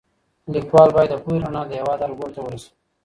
ليکوال بايد د پوهي رڼا د هېواد هر ګوټ ته ورسوي.